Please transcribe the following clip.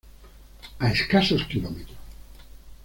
A escasos Km.